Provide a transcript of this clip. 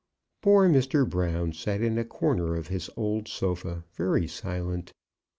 Poor Mr. Brown sat in a corner of his old sofa, very silent.